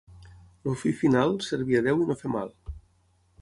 El fi final, servir a Déu i no fer mal.